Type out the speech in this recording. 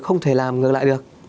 không thể làm ngược lại được